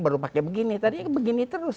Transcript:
baru pakai begini tadi begini terus